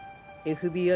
ＦＢＩ。